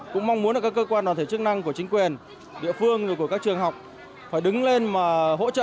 cũng mong muốn là các cơ quan đoàn thể chức năng của chính quyền địa phương rồi của các trường học phải đứng lên mà hỗ trợ